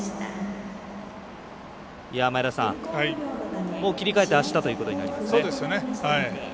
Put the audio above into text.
前田さん、切り替えてあしたということになりますね。